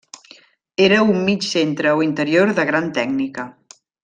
Era un mig centre o interior de gran tècnica.